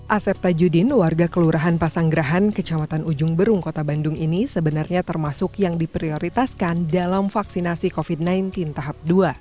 asep tajudin warga kelurahan pasanggerahan kecamatan ujung berung kota bandung ini sebenarnya termasuk yang diprioritaskan dalam vaksinasi covid sembilan belas tahap dua